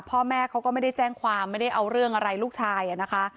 พ่อแม่เขาก็ไม่ได้แจ้งความไม่ได้เอาเรื่องอะไรลูกชายนะคะ